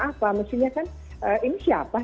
apa mestinya kan ini siapa